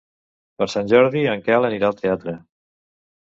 Per Sant Jordi en Quel anirà al teatre.